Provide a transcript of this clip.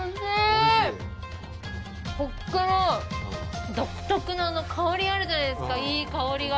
ほっけの独特の香りあるじゃないですかいい香りが。